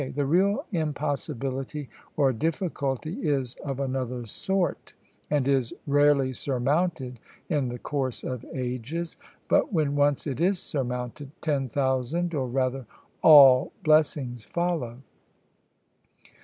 The real impossibility or difficulty is of another sort, and is rarely surmounted in the course of ages; but when once it is surmounted, ten thousand or rather all blessings follow.